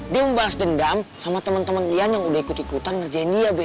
dia mau balas dendam sama temen temen ian yang udah ikut ikutan ngerjain dia be